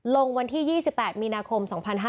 ลงวันที่๒๘มีนาคม๒๕๕๙